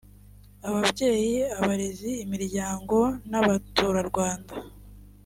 ababyeyi abarezi imiryango n’abaturarwanda